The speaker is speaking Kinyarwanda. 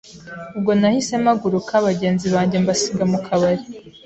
Ubwo nahise mpaguruka bagenzi banjye mbasiga mu kabari